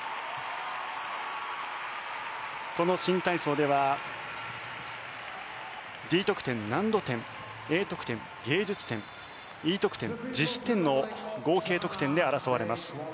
この新体操ではＤ得点、難度点Ａ得点、芸術点Ｅ得点、実施点の合計得点で争われます。